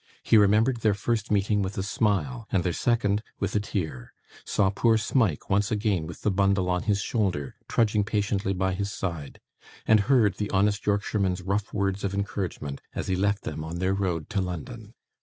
He remembered their first meeting with a smile, and their second with a tear; saw poor Smike once again with the bundle on his shoulder trudging patiently by his side; and heard the honest Yorkshireman's rough words of encouragement as he left them on their road to London.